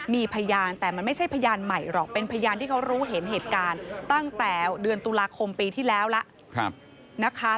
มีพยานแต่มันไม่ใช่พยานใหม่หรอกเป็นพยานที่เขารู้เห็นเหตุการณ์ตั้งแต่เดือนตุลาคมปีที่แล้วแล้วนะคะ